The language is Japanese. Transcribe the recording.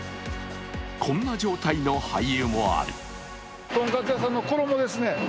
こんな状態の廃油もある。